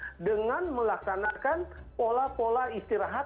maksimal sepuluh jam dengan melaksanakan pola pola istirahat